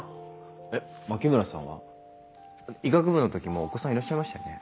えっ牧村さんは？医学部の時もうお子さんいらっしゃいましたよね？